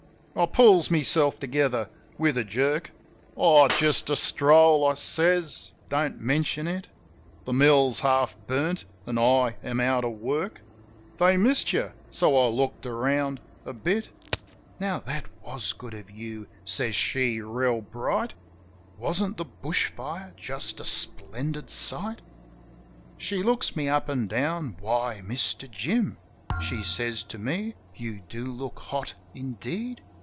I pulls meself together with a jerk. "Oh, just a stroll," I says. "Don't mention it. The mill's half burnt, an' I am out of work; They missed you, so I looked around a bit." "Now, that was good of you," says she, reel bright. "Wasn't the bush fire just a splendid sight?" FLAMES 87 She looks me up an' aown. "way, Mister Jim," She says to me, "you do look hot, indeed.